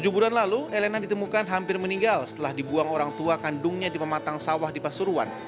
tujuh bulan lalu elena ditemukan hampir meninggal setelah dibuang orang tua kandungnya di pematang sawah di pasuruan